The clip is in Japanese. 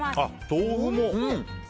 豆腐も。